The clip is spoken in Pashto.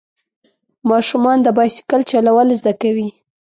ماشومان د بایسکل چلول زده کوي.